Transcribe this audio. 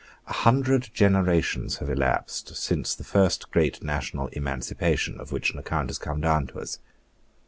A hundred generations have elapsed since the first great national emancipation, of which an account has come down to us.